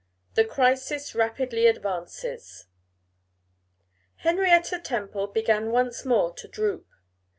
The Crisis Rapidly Advances. HENRIETTA TEMPLE began once more to droop.